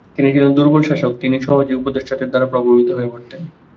তিনি ছিলেন দূর্বল শাসক, তিনি সহজেই উপদেষ্টাদের দ্বারা প্রভাবিত হয়ে পরতেন।